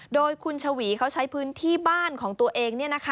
โดยคุณชะหวีเค้าใช้คุณที่บ้านของตัวเอง